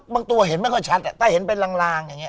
บางตัวเห็นไม่ค่อยชัดแต่ถ้าเห็นไปลางอย่างเงี้ย